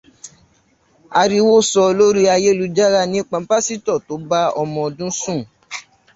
Ariwo sọ lórí ayélujára nípa pásítọ̀ tó bá ọmọ ọdún sùn.